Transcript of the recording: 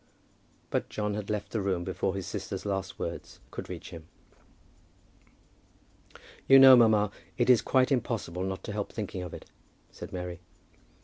But John had left the room before his sister's last words could reach him. "You know, mamma, it is quite impossible not to help thinking of it," said Mary.